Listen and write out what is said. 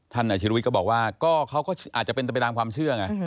นายอาชิรวิทย์ก็บอกว่าก็เขาก็อาจจะเป็นไปตามความเชื่อไง